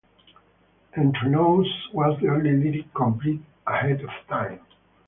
"Entre Nous" was the only lyric completed ahead of time.